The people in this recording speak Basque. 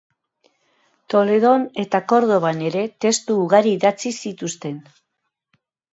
Toledo eta Kordoban ere testu ugari idatzi zituzten.